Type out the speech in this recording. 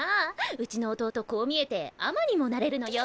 うちの弟こう見えて尼にもなれるのよ。